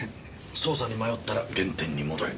捜査に迷ったら原点に戻れ。